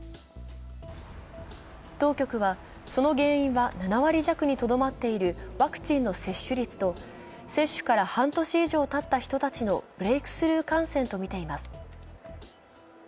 当局は、その原因は７割弱にとどまっているワクチンの接種率と接種から半年以上たった人たちのブレークスルー感染とみています。